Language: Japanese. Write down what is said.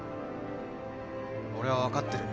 俺は分かってる。